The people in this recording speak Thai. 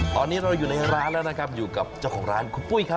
ตอนนี้เราอยู่ในร้านแล้วนะครับอยู่กับเจ้าของร้านคุณปุ้ยครับ